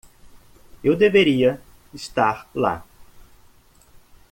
Eu deveria estar lá.